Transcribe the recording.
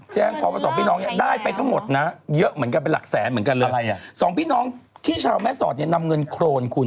แจ้งความว่าสองพี่น้องเนี่ยได้ไปทั้งหมดนะเยอะเหมือนกันเป็นหลักแสนเหมือนกันเลยอ่ะสองพี่น้องที่ชาวแม่สอดเนี่ยนำเงินโครนคุณ